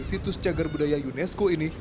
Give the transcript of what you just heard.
situs jagar budaya unesco ini